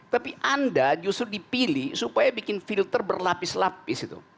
tapi anda justru dipilih supaya bikin filter berlapis lapis itu